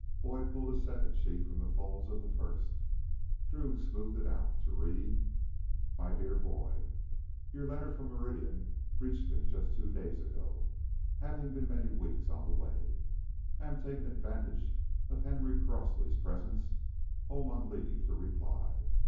Boyd pulled a second sheet from the folds of the first. Drew smoothed it out to read: My dear boy: Your letter from Meridian reached me just two days ago, having been many weeks on the way, and I am taking advantage of Henry Crosely's presence home on leave to reply.